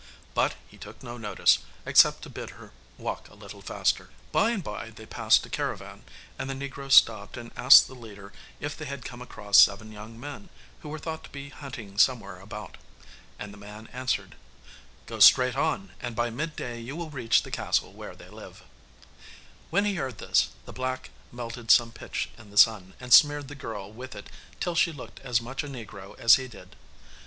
But he took no notice, except to bid her walk a little faster. By and by they passed a caravan, and the negro stopped and asked the leader if they had come across seven young men, who were thought to be hunting somewhere about. And the man answered, 'Go straight on, and by midday you will reach the castle where they live.' When he heard this, the black melted some pitch in the sun, and smeared the girl with it, till she looked as much a negro as he did.